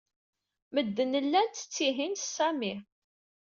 Medden llan ttettihin s Sami.